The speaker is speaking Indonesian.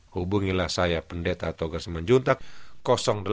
hubungilah saya pendeta togas menjuntak